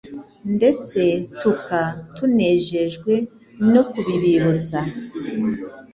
ndetse tuka tunejejwe no kubibibutsa,